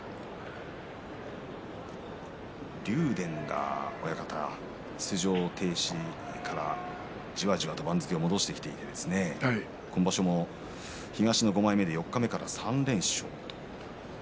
竜電が出場停止からじわじわと番付を戻してきていて今場所も東の５枚目で四日目から３連勝。